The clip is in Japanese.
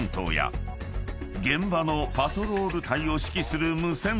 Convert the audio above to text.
［現場のパトロール隊を指揮する］